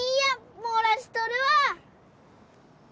もらしとるわ